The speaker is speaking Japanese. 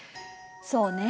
そうね。